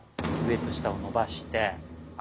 上と下を伸ばして。